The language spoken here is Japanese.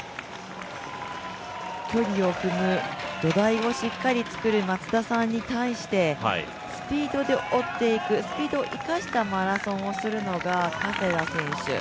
距離を踏む、土台をしっかり作る松田さんに対してスピードで追っていく、スピードを生かしたマラソンをするのが加世田選手。